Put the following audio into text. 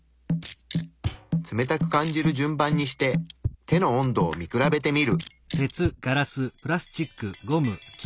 冷たく感じる順番にして手の温度を見比べてみる。